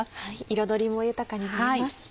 彩りも豊かになります。